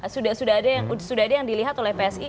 sudah ada yang dilihat oleh psi